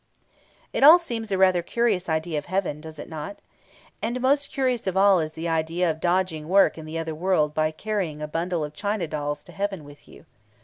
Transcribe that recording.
'" It all seems rather a curious idea of heaven, does it not? And most curious of all is the idea of dodging work in the other world by carrying a bundle of china dolls to heaven with you.